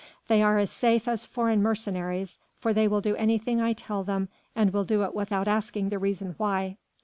They are as safe as foreign mercenaries, for they will do anything I tell them and will do it without asking the reason why."